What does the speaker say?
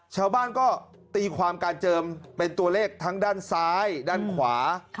ชาวบ้านก็ตีความการเจิมเป็นตัวเลขทั้งด้านซ้ายด้านขวา